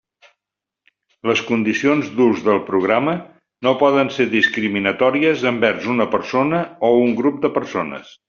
Les condicions d'ús del programa no poden ser discriminatòries envers una persona o un grup de persones.